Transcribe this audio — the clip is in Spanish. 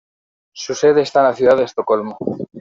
Su sede está en la ciudad de Estocolmo.